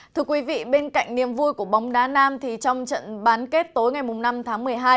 thưa quý vị bên cạnh niềm vui của bóng đá nam thì trong trận bán kết tối ngày năm tháng một mươi hai